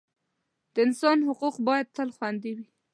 د انسان حقوق باید تل خوندي وي.